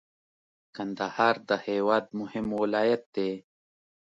کندهار د هیواد مهم ولایت دی.